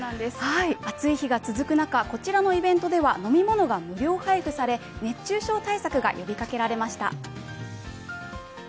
暑い日が続く中、こちらのイベントでは飲み物が無料配布され熱中症対策が呼びかけられました。